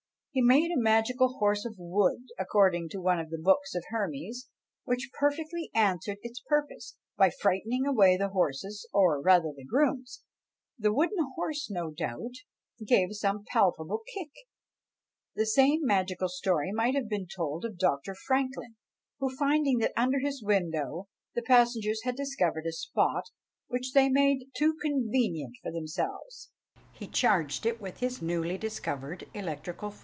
He made a magical horse of wood, according to one of the books of Hermes, which perfectly answered its purpose, by frightening away the horses, or rather the grooms! the wooden horse, no doubt, gave some palpable kick. The same magical story might have been told of Dr. Franklin, who finding that under his window the passengers had discovered a spot which they made too convenient for themselves, he charged it with his newly discovered electrical fire.